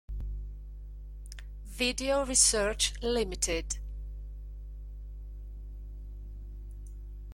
Fonti:Video Research, Ltd.